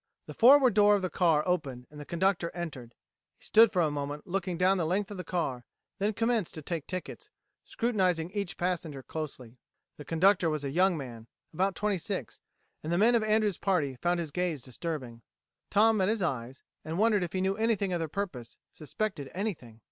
The forward door of the car opened and the conductor entered. He stood for a moment looking down the length of the car, then commenced to take tickets, scrutinizing each passenger closely. The conductor was a young man about twenty six and the men of Andrews' party found his gaze disturbing. Tom met his eyes, and wondered if he knew anything of their purpose, suspected anything.